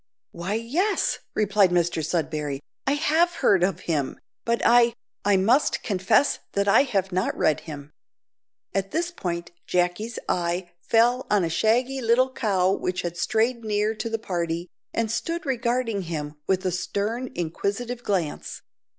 "Why, yes," replied Mr Sudberry, "I have heard of him, but I I must confess that I have not read him." At this point, Jacky's eye fell on a shaggy little cow which had strayed near to the party, and stood regarding him with a stern inquisitive glance.